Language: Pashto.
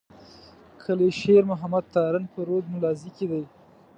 کلي شېر محمد تارڼ په رود ملازۍ کي دی.